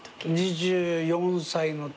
２４歳の時。